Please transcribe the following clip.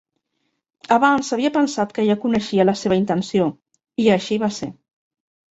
Abans havia pensat que ja coneixia la seva intenció, i així va ser.